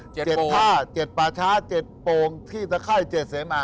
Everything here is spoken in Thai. เจ็ดภาคเจ็ดปาชาเจ็ดโปรงที่สะข้ายเจ็ดเสมอ